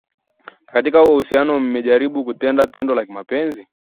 na katika huo uhusiano mmejaribu kutenda tendo la kimapenzi?